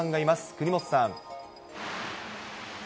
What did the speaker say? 国本さん。